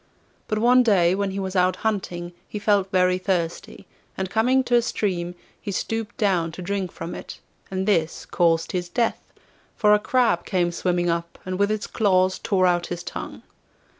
But one day when he was out hunting he felt very thirsty, and coming to a stream he stooped down to drink from it, and this caused his death, for a crab came swimming up, and with its claws tore out his tongue.